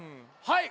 はい！